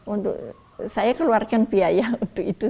untuk saya keluarkan biaya untuk itu